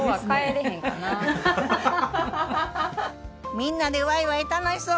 みんなでワイワイ楽しそう！